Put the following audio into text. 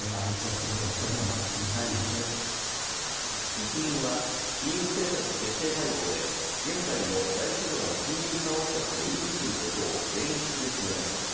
日銀は金融政策決定会合で現在の大規模な金融緩和策を維持することを全員一致で決めました。